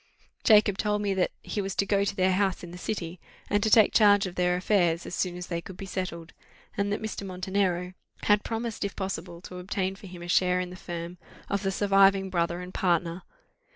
Jacob told me that he was to go to their house in the city, and to take charge of their affairs, as soon as they could be settled; and that Mr. Montenero had promised if possible to obtain for him a share in the firm of the surviving brother and partner.